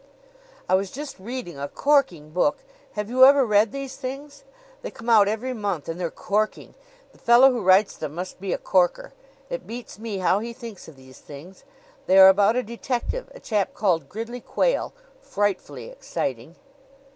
"I was just reading a corking book. Have you ever read these things? They come out every month, and they're corking. The fellow who writes them must be a corker. It beats me how he thinks of these things. They are about a detective a chap called Gridley Quayle. Frightfully exciting!"